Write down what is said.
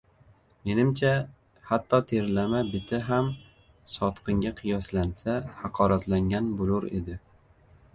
Menimcha, hatto terlama biti ham sotqinga qiyoslansa, haqoratlangan bo‘lur edi.